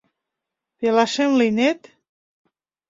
Пелашем лийнет?